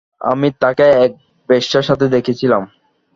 আমি তাকে এক বেশ্যার সাথে দেখেছিলাম।